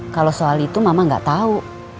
kalau soal itu mama gak tau